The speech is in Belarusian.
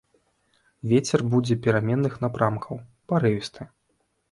Вецер будзе пераменных напрамкаў, парывісты.